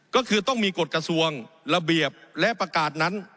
ก็คือต้องมีกฎกระทรวงระเบียบและประกาศนั้น